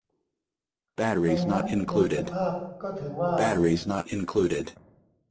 ไม่งั้นโดยสภาพก็ถือว่า